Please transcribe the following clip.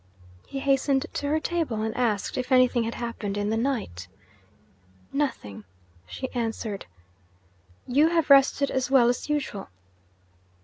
He hastened to her table, and asked if anything had happened in the night. 'Nothing,' she answered. 'You have rested as well as usual?'